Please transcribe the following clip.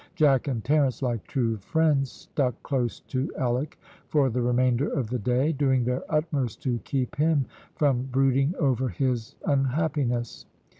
Jack and Terence, like true friends, stuck close to Alick for the remainder of the day, doing their utmost to keep him from brooding over his unhappiness.